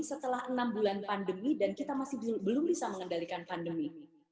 setelah enam bulan pandemi dan kita masih belum bisa mengendalikan pandemi